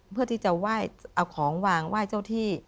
เพื่อที่จะไหว้เอาของวางไหว้เจ้าที่